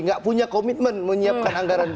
tidak punya commitment menyiapkan anggaran